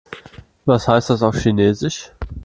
Was heißt das auf Chinesisch?